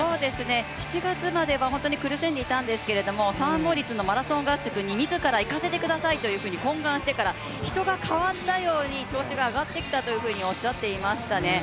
７月までは苦しんでいたんですけれども、マラソン合宿に自ら行かせてくださいと言ったときから人が変わったように、調子が上がってきたというふうにおっしゃっていましたね。